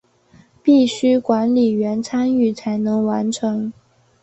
必须管理员参与才能完成。